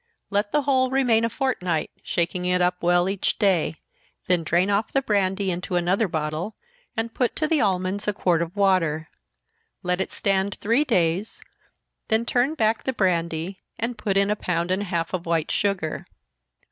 Let the whole remain a fortnight, shaking it up well each day, then drain off the brandy into another bottle, and put to the almonds a quart of water. Let it stand three days, then turn back the brandy, and put in a pound and a half of white sugar.